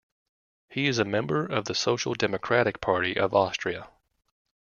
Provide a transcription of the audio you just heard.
He is a member of the Social Democratic Party of Austria.